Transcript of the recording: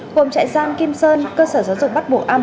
gồm trại giam kim sơn cơ sở giáo dục bắt buộc a một